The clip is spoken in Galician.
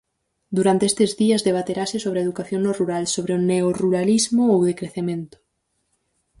Durante estes días debaterase sobre educación no rural, sobre o 'neorruralismo' ou decrecemento.